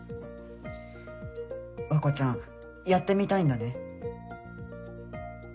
和子ちゃんやってみたいんだね？